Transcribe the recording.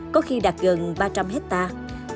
có khi đạt gần ba trăm linh hectare